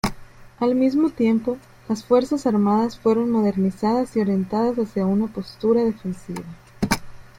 Al mismo tiempo, las fuerzas armadas fueron modernizadas y orientadas hacia una postura defensiva.